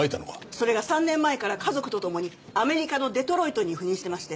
それが３年前から家族と共にアメリカのデトロイトに赴任してまして。